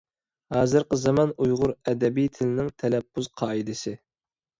ھازىرقى زامان ئۇيغۇر ئەدەبىي تىلىنىڭ تەلەپپۇز قائىدىسى